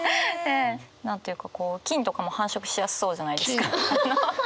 何て言うか菌とかも繁殖しやすそうじゃないですか。